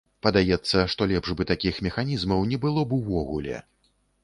Падаецца, што лепш бы такіх механізмаў не было б увогуле.